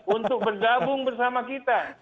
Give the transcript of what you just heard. untuk bergabung bersama kita